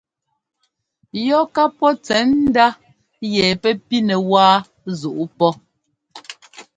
Yɔ ká pɔ́ tsɛ̌ndá yɛ pɛ́ pínɛ wáa zuꞌú pɔ́.